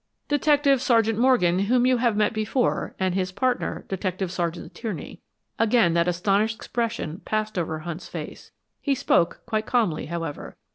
"Detective Sergeant Morgan, whom you have met before; and his partner, Detective Sergeant Tierney." Again that astonished expression passed over Hunt's face. He spoke quite calmly, however.